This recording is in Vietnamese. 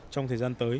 trong thời gian tới